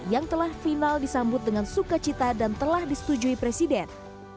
yang telah final disambut dengan sukacita dan telah disetujui presiden